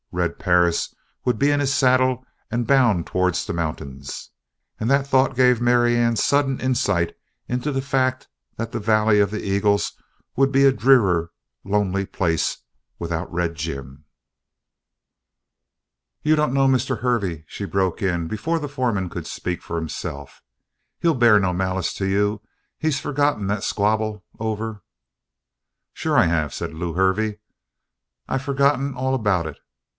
Red Perris would be in his saddle and bound towards the mountains. And that thought gave Marianne sudden insight into the fact that the Valley of the Eagles would be a drear, lonely place without Red Jim. "You don't know Mr. Hervey," she broke in before the foreman could speak for himself. "He'll bear no malice to you. He's forgotten that squabble over " "Sure I have," said Lew Hervey. "I've forgotten all about it.